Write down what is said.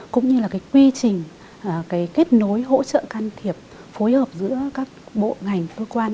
cũng như là cái quy trình cái kết nối hỗ trợ can thiệp phối hợp giữa các bộ ngành cơ quan